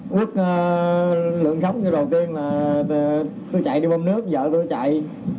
quất lượng sóng đầu tiên là tôi chạy đi bơm nước vợ tôi chạy